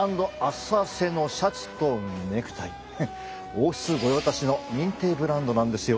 王室御用達の認定ブランドなんですよ。